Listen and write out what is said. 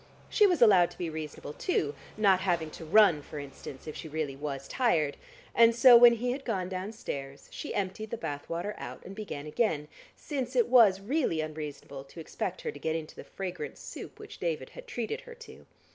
She was allowed to be reasonable too (not having to run, for instance, if she really was tired) and so when he had gone downstairs, she emptied the bath water out and began again, since it was really unreasonable to expect her to get into the fragrant soup which David had treated her to.